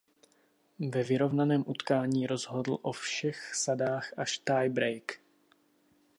Ve vyrovnaném utkání rozhodl o všech sadách až tiebreak.